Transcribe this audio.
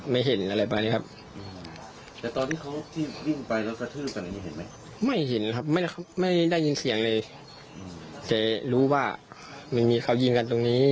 ไม่เห็นครับไม่ได้ยินเสียงเลยแต่รู้ว่ามันมีเขายิงกันตรงนี้